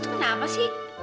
kamu tuh kenapa sih